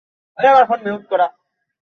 গোপাল বলিল, ঘুম পাচ্ছে?